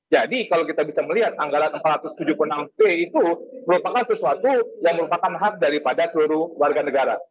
jadi kalau kita bisa melihat anggaran rp empat ratus tujuh puluh enam triliun itu merupakan sesuatu yang merupakan hak daripada seluruh warga negara